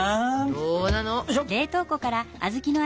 どうなの？